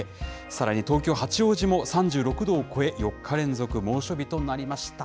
さらに東京・八王子も３６度を超え、４日連続猛暑日となりました。